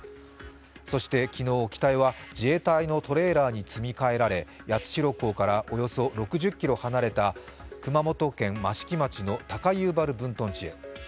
そして昨日、機体は自衛隊のトレーラーに積み替えられ八代港からおよそ６０ｋｍ離れた熊本県益城町の高遊原分屯地へ。